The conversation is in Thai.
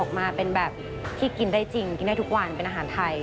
ออกมาเป็นแบบที่กินได้จริงกินได้ทุกวันเป็นอาหารไทย